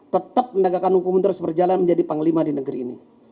tetap penegakan hukum terus berjalan menjadi panglima di negeri ini